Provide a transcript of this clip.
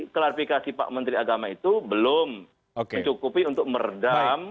klarifikasi pak menteri agama itu belum mencukupi untuk meredam